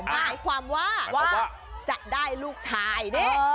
หมายความว่าจะได้ลูกชายแน่